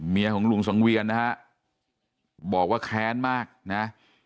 เมียของลุงสังเวียนนะครับบอกว่าแค้นมากนะ